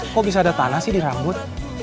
kok bisa ada tanah sih di rambut